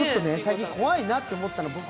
最近怖いなと思ったの。